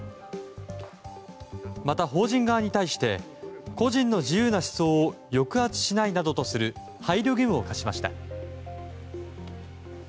また、法人側に対して個人の自由な思想を抑圧しないなどとする配慮義務を課しました。